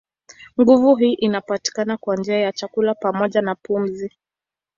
Nguvu hii inapatikana kwa njia ya chakula pamoja na pumzi.